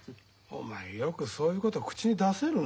お前よくそういうこと口に出せるな。